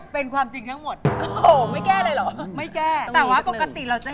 พี่จงดีนะ